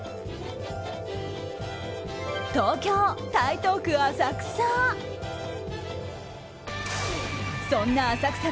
東京・台東区浅草。